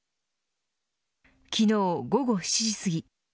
昨日午後７時すぎ